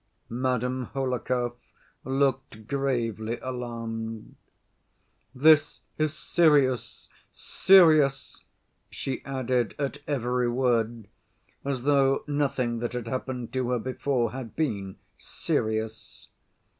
Madame Hohlakov looked gravely alarmed. "This is serious, serious," she added at every word, as though nothing that had happened to her before had been serious.